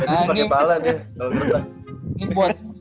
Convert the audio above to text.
edwin pake bala dia kalo gertak